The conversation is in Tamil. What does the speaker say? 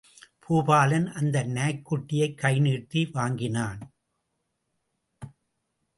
பூபாலன் அந்த நாய்க் குட்டியைக் கை நீட்டி வாங்கினான்.